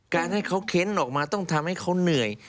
การให้เขาเค้นออกมาต้องทำให้เขาเหนื่อย